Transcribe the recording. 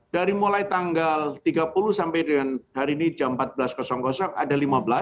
dari mulai tanggal tiga puluh sampai dengan hari ini jam empat belas ada lima belas